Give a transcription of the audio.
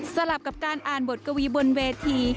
สลับกับการอ่านบทกวีบนเวที